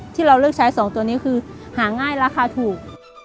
ที่เราเลือกใช้๒ตัวนี้คือหาง่ายราคาถูก